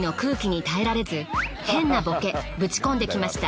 変なボケぶちこんできました。